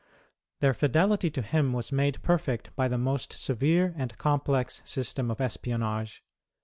Their fidelity to him was made perfect by the most severe and complex system of espionage.